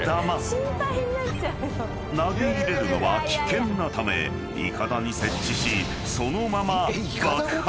［投げ入れるのは危険なためイカダに設置しそのまま］